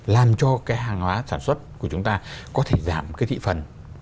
làm cho cái hàng hóa sản xuất của chúng ta có thể giảm cái thị phần